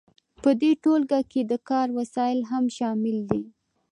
په دې ټولګه کې د کار وسایل هم شامل دي.